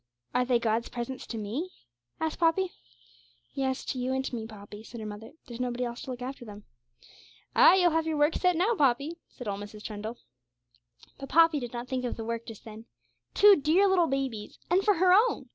'Are they God's presents to me?' asked Poppy. 'Yes, to you and to me, Poppy,' said her mother; 'there's nobody else to look after them.' 'Ay, you'll have your work set now, Poppy,' said old Mrs. Trundle. But Poppy did not think of the work just then. Two dear little babies! And for her own!